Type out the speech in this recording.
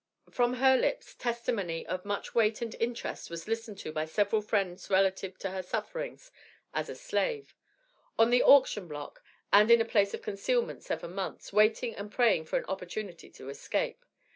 From her lips testimony of much weight and interest was listened to by several friends relative to her sufferings as a slave on the auction block, and in a place of concealment seven months, waiting and praying for an opportunity to escape.